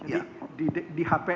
jadi di hpl